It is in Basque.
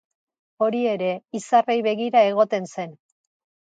Hori ere, izarrei begira egoten zen!